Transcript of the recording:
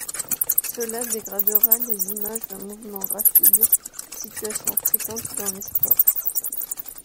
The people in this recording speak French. Cela dégradera les images d'un mouvement rapide, situation fréquente dans les sports.